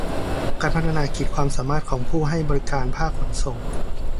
การพัฒนาขีดความสามารถของผู้ให้บริการภาคขนส่ง